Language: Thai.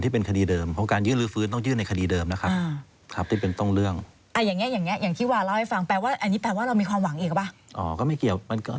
ต้องยื่นในคณะค้าเดิมที่เป็นคติเดิม